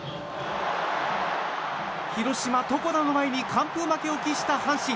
広島、床田の前に完封負けを喫した阪神。